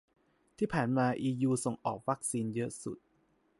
ที่ผ่านมาอียูส่งออกวัคซีนเยอะสุด